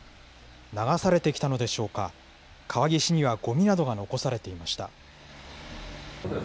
流されてきたのでしょうか、川岸にはごみなどが残されていました。